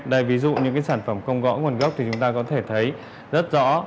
đây ví dụ những cái sản phẩm không rõ nguồn gốc thì chúng ta có thể thấy rất rõ